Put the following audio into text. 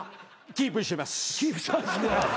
キープしてます。